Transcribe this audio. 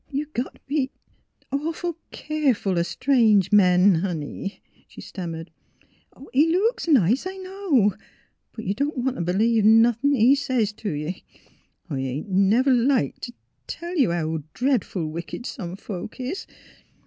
" You got t' be— awful keerful — o' strange men, honey," she stammered. '^ He — he looks nice, I know; but you don't want t' b'lieve nothin' he says t' ye. I ain't never liked t' — t' tell you how dretful wicked some folks is.